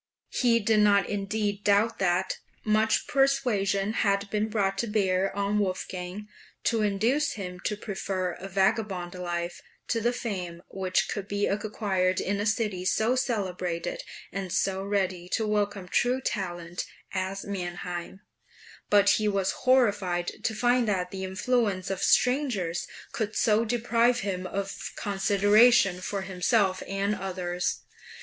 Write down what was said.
He did not indeed doubt that "much persuasion had been brought to bear on Wolfgang, to induce him to prefer a vagabond life to the fame which could be acquired in a city so celebrated, and so ready to welcome true talent, as Mannheim"; but he was horrified to find that the influence of strangers could so deprive him of consideration for himself and others.